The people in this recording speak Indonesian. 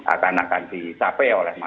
akan akan disapai oleh